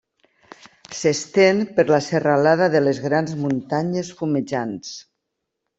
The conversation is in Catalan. S'estén per la serralada de les Grans Muntanyes Fumejants.